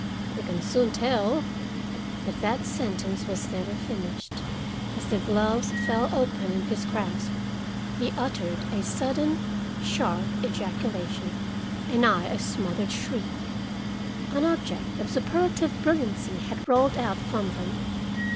We can soon tell—" But that sentence was never finished. As the gloves fell open in his grasp he uttered a sudden, sharp ejaculation and I a smothered shriek. An object of superlative brilliancy had rolled out from them.